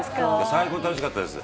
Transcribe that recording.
最高に楽しかったです。